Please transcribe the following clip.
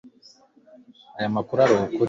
Aya makuru arukuri